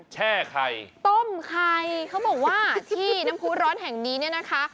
แช่ไข่ต้มไข่เขาบอกว่าที่น้ำผู้ร้อนแห่งนี้เนี่ยนะคะ